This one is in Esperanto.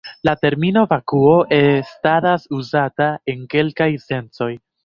La termino "vakuo" estadas uzata en kelkaj sencoj.